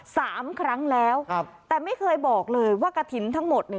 สามครั้งแล้วครับแต่ไม่เคยบอกเลยว่ากระถิ่นทั้งหมดเนี่ย